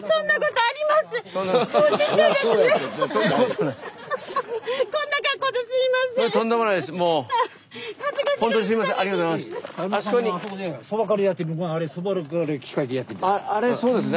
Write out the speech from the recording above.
あれそうですね。